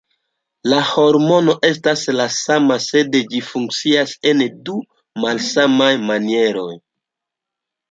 La hormono estas la sama, sed ĝi funkcias en du malsamaj manieroj.